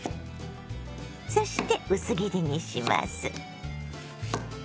そして薄切りにします。